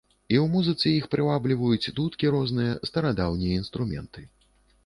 І ў музыцы іх прывабліваюць дудкі розныя, старадаўнія інструменты.